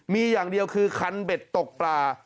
มีอย่างเดียวคือคันเบ็ดตกปลา